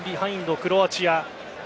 クロアチア。